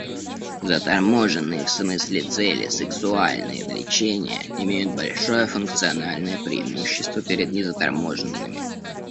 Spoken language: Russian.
Заторможенные в смысле цели сексуальные влечения имеют большое функциональное преимущество перед незаторможенными.